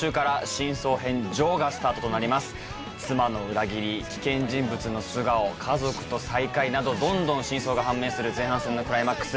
妻の裏切り危険人物の素顔家族と再会などどんどん真相が判明する前半戦のクライマックス。